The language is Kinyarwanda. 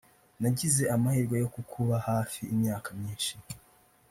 nagize amahirwe yo kukuba hafi imyaka myinshi